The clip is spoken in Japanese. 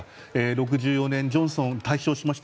６４年、ジョンソン大勝しました。